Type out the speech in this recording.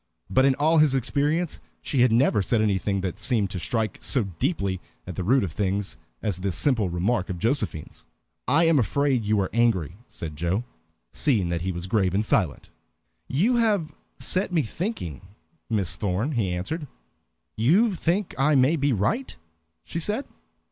But in all his experience she had never said anything that seemed to strike so deeply at the root of things as this simple remark of Josephine's. "I am afraid you are angry," said Joe, seeing that he was grave and silent. "You have set me thinking, Miss Thorn," he answered. "You think I may be right?" she said.